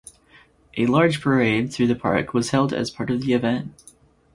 A large parade through the park was held as part of the event.